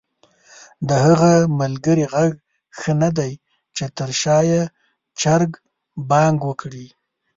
د هغه ملګري ږغ ښه ندی چې تر شا ېې چرګ بانګ وکړ؟!